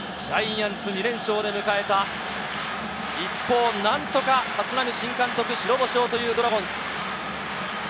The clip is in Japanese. ジャイアンツ２連勝で迎えた一方、何とか立浪新監督、白星をというドラゴンズ。